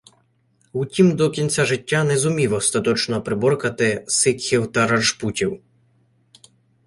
Втім до кінця життя не зумів остаточно приборкати сикхів та раджпутів.